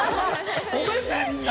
ごめんねみんな。